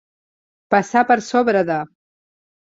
Passar per sobre de.